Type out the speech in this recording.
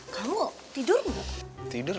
kamu udah pulangiding